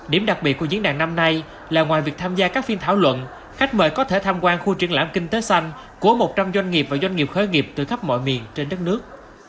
điểm đặc biệt của diễn đàn năm nay là ngoài việc tham gia các phiên thảo luận khách mời có thể tham quan khu triển lãm kinh tế xanh của một trăm linh doanh nghiệp và doanh nghiệp khởi nghiệp từ khắp mọi miền trên đất nước